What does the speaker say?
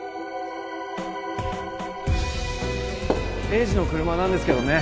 栄治の車なんですけどね